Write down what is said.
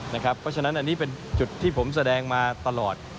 เพราะฉะนั้นอันนี้เป็นจุดที่ผมแสดงมาตลอด